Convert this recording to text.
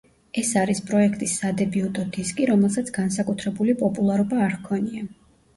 ეს არის პროექტის სადებიუტო დისკი, რომელსაც განსაკუთრებული პოპულარობა არ ჰქონია.